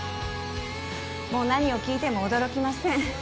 もう何を聞いても驚きません